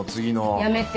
やめて。